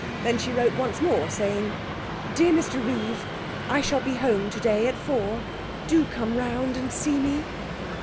She then wrote once more, saying 'DEAR MR REEVE, 'I shall be at home today at four. Do come round and see me.'